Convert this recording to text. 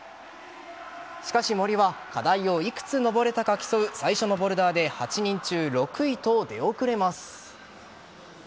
しかし森は課題を幾つ登れたか競う最初のボルダーで８人中６位と出遅れます。